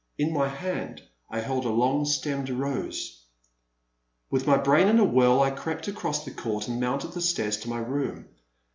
In my hand I held a long stemmed rose. With my brain in a whirl I crept across the court and mounted the stairs to my room.